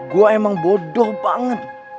gua emang bodoh banget